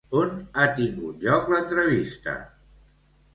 On ha tingut lloc l'entrevista?